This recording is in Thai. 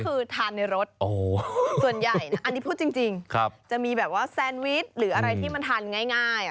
ส่วนใหญ่นะอันนี้พูดจริงจะมีแบบว่าแซนวิสหรืออะไรที่มันทานง่าย